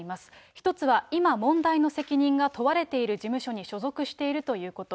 １つは今、問題の責任が問われている事務所に所属しているということ。